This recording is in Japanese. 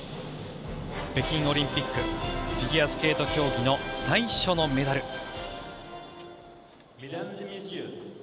北京オリンピックフィギュアスケート競技の最初のメダル。